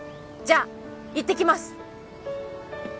じゃあ行ってきます